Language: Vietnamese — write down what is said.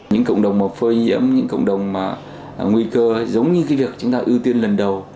những cộng đồng phơi nhiễm những cộng đồng nguy cơ giống như việc chúng ta ưu tiên lần đầu